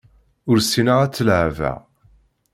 Ur ssineɣ ad tt-leεbeɣ.